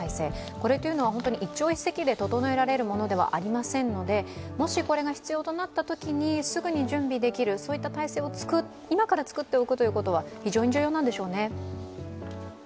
これは本当に一朝一夕で整えられるものではありませんのでもしこれが必要となったときに、すぐに準備できる、そういった体制を今から作っておくことは非常に重要なんでしょうね。